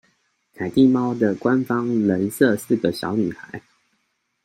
凱蒂貓的官方人設是個小女孩